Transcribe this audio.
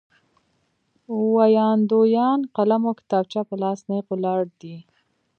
ویاندویان قلم او کتابچه په لاس نېغ ولاړ دي.